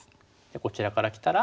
こちらからきたら？